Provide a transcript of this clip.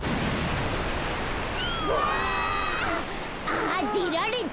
あでられた！